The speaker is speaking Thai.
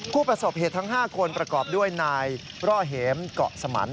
ผู้ประสบเหตุทั้ง๕คนประกอบด้วยนายร่อเหมเกาะสมัน